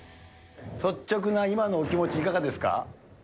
率直な今のお気持ち、いかがですか。